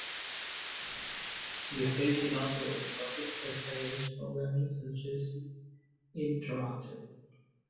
The station also aired public affairs programming, such as "In Toronto".